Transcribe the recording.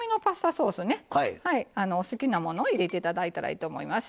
ソース好きなものを入れていただいたらいいと思います。